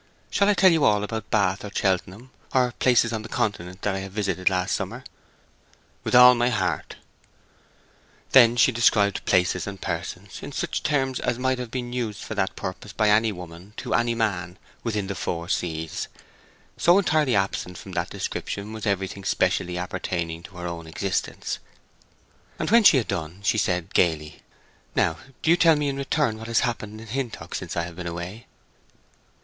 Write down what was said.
Shall I tell you all about Bath or Cheltenham, or places on the Continent that I visited last summer?" "With all my heart." She then described places and persons in such terms as might have been used for that purpose by any woman to any man within the four seas, so entirely absent from that description was everything specially appertaining to her own existence. When she had done she said, gayly, "Now do you tell me in return what has happened in Hintock since I have been away."